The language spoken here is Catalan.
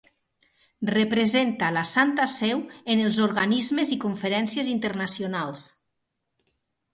Representa la Santa Seu en els organismes i conferències internacionals.